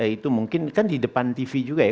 itu mungkin kan di depan tv juga ya